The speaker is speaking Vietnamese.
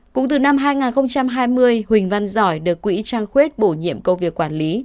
cũng từ năm hai nghìn hai mươi huỳnh văn giỏi được quỹ trăng khuyết bổ nhiệm công việc quản lý